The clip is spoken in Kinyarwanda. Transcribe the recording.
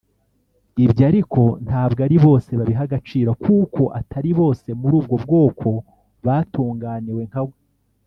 Ibyo ariko ntabwo ari bose babiha agaciro kuko atari bose muri ubwo bwoko batunganiwe nkawe